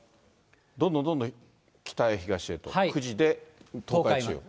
どんどんどんどん北へ東へと東海地方。